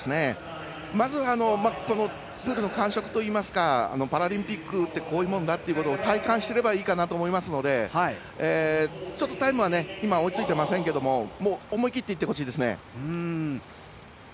まず、プールの感触というかパラリンピックってこういうものだっていうことを体感すればいいかなと思いますのでタイムは今、追いついていませんが思い切っていってほしいです。